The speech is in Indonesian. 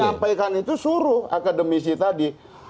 menyampaikan itu suruh akademisi tadi